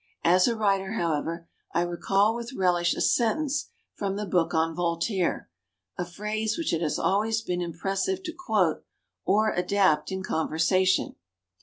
As a writer, however, I re call with relish a sentence from the book on Voltaire — a phrase which it has always been impressive to quote, or adapt, in conversation.